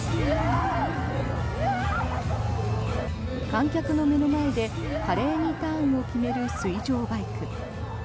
観客の目の前で華麗にターンを決める水上バイク。